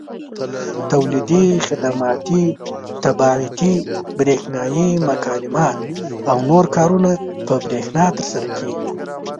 تولیدي، خدماتي، طباعتي، برېښنایي مکالمات او نور کارونه په برېښنا ترسره کېږي.